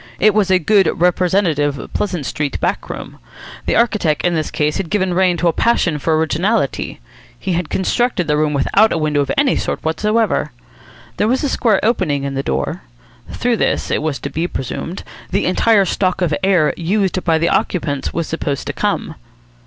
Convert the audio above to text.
It was a good representative Pleasant Street back room. The architect in this case had given rein to a passion for originality. He had constructed the room without a window of any sort whatsoever. There was a square opening in the door. Through this, it was to be presumed, the entire stock of air used by the occupants was supposed to come.